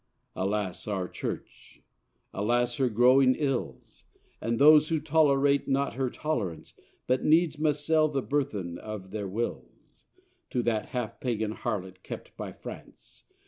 Alas, our Church! alas, her growing ills, And those who tolerate not her tolerance, But needs must sell the burthen of their wills To that half pagan harlot kept by France!